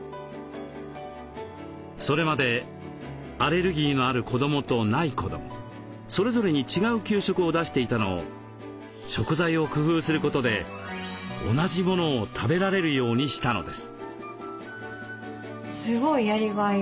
それまでアレルギーのある子どもとない子どもそれぞれに違う給食を出していたのを食材を工夫することで同じものを食べられるようにしたのです。